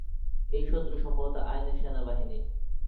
এই শত্রু সম্ভবত আইনের সেনাবাহিনী।